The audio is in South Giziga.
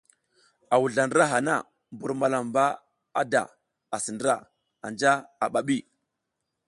A wuzla ndra hana, mbur malamba da asi ndra anja a bi.